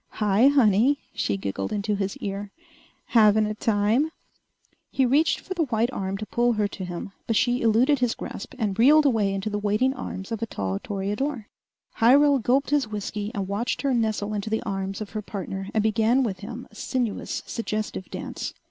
"Hi, honey," she giggled into his ear. "Havin' a time?" He reached for the white arm to pull her to him, but she eluded his grasp and reeled away into the waiting arms of a tall toreador. Hyrel gulped his whiskey and watched her nestle into the arms of her partner and begin with him a sinuous, suggestive dance.